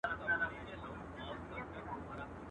له احوال د وطنونو باخبره.